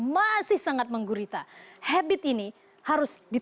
masih sangat menggurita